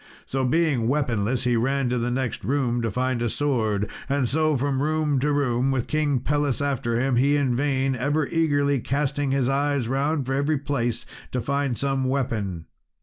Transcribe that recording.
So being weaponless he ran to the next room to find a sword, and so from room to room, with King Pelles after him, he in vain ever eagerly casting his eyes round every place to find some weapon.